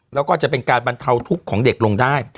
แล้วก็จะเป็นการบรรเทาทุกข์ของเด็กลงได้